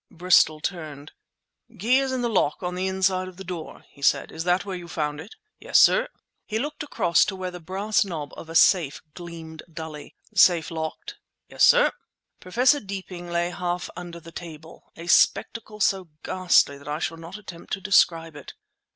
Bristol turned. "Key is in the lock on the inside of the door," he said. "Is that where you found it?" "Yes, sir!" He looked across to where the brass knob of a safe gleamed dully. "Safe locked?" "Yes, sir." Professor Deeping lay half under the table, a spectacle so ghastly that I shall not attempt to describe it.